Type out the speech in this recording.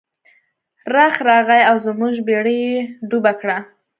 رخ راغی او زموږ بیړۍ یې ډوبه کړه.